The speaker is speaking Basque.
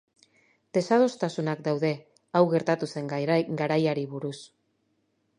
Desadostasunak daude hau gertatu zen garaiari buruz.